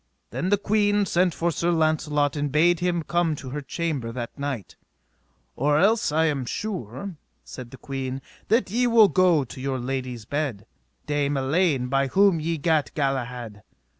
Then the queen sent for Sir Launcelot and bade him come to her chamber that night: Or else I am sure, said the queen, that ye will go to your lady's bed, Dame Elaine, by whom ye gat Galahad.